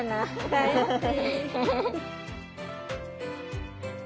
大好き。